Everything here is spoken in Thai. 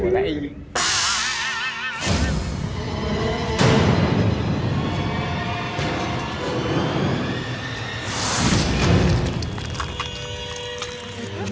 โอ้มันก็เกมมันก็เกมมันก็เกม